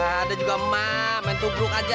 ada juga emak main tubruk aja